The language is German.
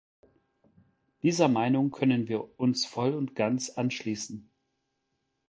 Dieser Meinung können wir uns voll und ganz anschließen.